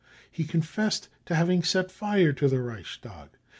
He confessed to having set fire to the Reichstag.